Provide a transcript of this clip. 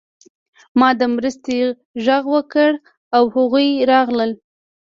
ما د مرستې غږ وکړ او هغوی راغلل